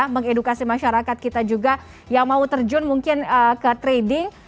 mengedukasi masyarakat kita juga yang mau terjun mungkin ke trading